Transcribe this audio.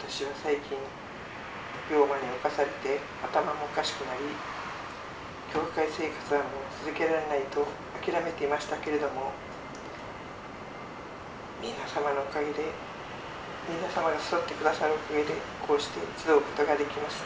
私は最近病魔に侵されて頭もおかしくなり教会生活はもう続けられないと諦めていましたけれども皆様のおかげで皆様が付き添って下さるおかげでこうして集うことができます。